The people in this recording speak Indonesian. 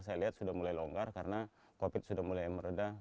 saya lihat sudah mulai longgar karena covid sudah mulai meredah